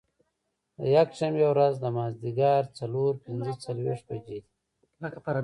د یکشنبې ورځ د مازدیګر څلور پنځه څلوېښت بجې دي.